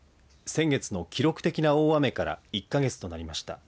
先月の記録的な大雨から１か月となりました。